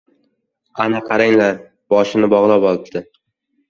— Ana qaranglar, boshini bog‘lab olibdi.